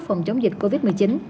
phòng chống dịch covid một mươi chín